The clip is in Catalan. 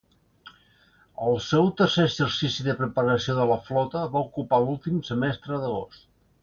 El seu tercer exercici de preparació de la flota va ocupar l'últim semestre d'agost.